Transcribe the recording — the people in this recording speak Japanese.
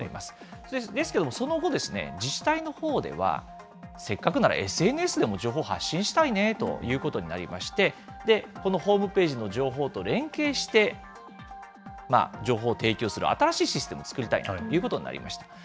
ですけれども、その後、自治体のほうでは、せっかくなら、ＳＮＳでも情報発信したいねということになりまして、このホームページの情報と連携して情報を提供する、新しいシステムを作りたいということになりました。